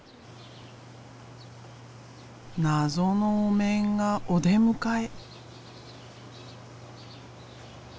謎のお面がお出迎え。